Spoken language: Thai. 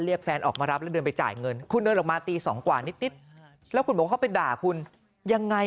แฟนออกมารับแล้วเดินไปจ่ายเงินคุณเดินออกมาตี๒กว่านิดแล้วคุณบอกว่าเขาไปด่าคุณยังไง